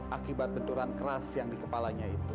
akibat benturan keras yang dikepalanya